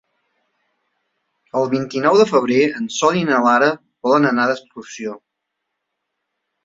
El vint-i-nou de febrer en Sol i na Lara volen anar d'excursió.